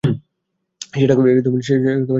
সেটা কখন ঘটল?